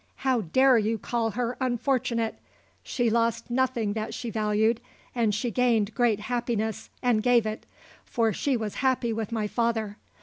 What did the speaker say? How dare you call her unfortunate? She lost nothing that she valued and she gained great happiness, and gave it, for she was happy with my father.